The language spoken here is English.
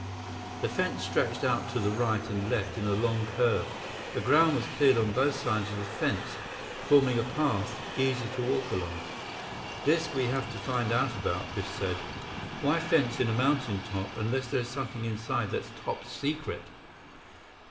132 The fence stretched out to the right and left in a long curve. The ground was cleared on both sides of the fence, forming a path easy to walk along. "This we have to find out about," Biff said. "Why fence in a mountain top unless there's something inside that's top secret?"